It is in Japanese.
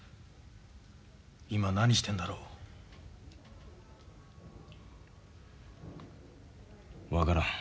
今何してんだろう？分からん。